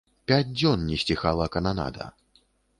Пяць дзён не сціхала кананада.